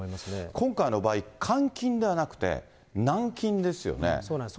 今回の場合、監禁ではなくてそうなんです。